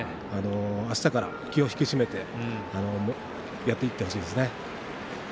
あしたから気を引き締めてやっていってほしいですね。